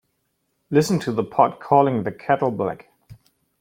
Listen to the pot calling the kettle black.